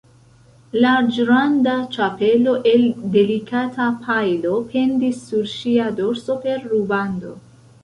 Larĝranda ĉapelo el delikata pajlo pendis sur ŝia dorso per rubando.